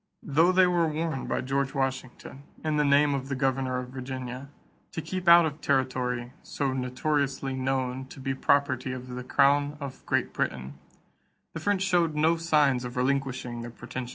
Though they were warned by George Washington, in the name of the governor of Virginia, to keep out of territory "so notoriously known to be property of the crown of Great Britain," the French showed no signs of relinquishing their pretensions.